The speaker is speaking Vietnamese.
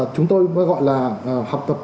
chúng tôi gọi là học tập